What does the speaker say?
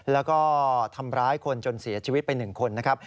แล้วก็ทำร้ายคนจนเสียชีวิตไป๑คนนะครับ